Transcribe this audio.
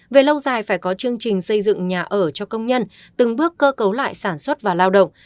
về lâu dài phải có chương trình xây dựng nhà ở cho công nhân từng bước cơ cấu lại sản xuất và lao động